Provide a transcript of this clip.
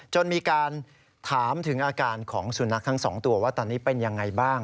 จนมีการถามถึงอาการของสุนัขทั้งสองตัวว่าตอนนี้เป็นยังไงบ้าง